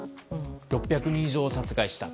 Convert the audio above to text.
６００人以上殺害した。